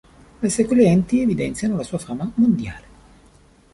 Le sue clienti evidenziano la sua fama mondiale.